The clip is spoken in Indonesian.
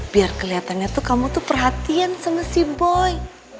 biar kelihatannya tuh kamu tuh perhatian sama si boy